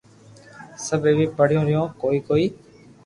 سب ايوي پڙيو رھيو ڪوئي ڪوئي